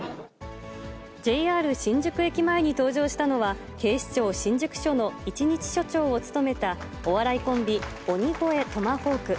ＪＲ新宿駅前に登場したのは、警視庁新宿署の一日署長を務めた、お笑いコンビ、鬼越トマホーク。